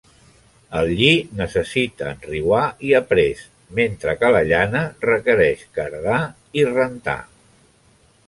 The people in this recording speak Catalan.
El lli necessita enriuar i aprest, mentre que la llana requereix cardar i rentar.